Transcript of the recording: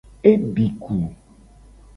E di ku.